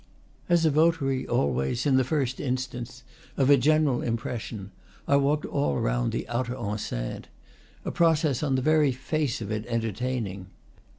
As a votary, always, in the first instance, of a general impression, I walked all round the outer en ceinte, a process on the very face of it entertaining.